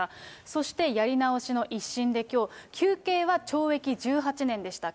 そしてやり直しの１審できょう、求刑は懲役１８年でした。